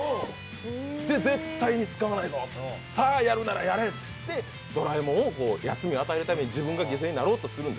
絶対に使わないぞと、さぁ、やるならやれとドラえもんに休みを与えるために自分が犠牲になろうとする。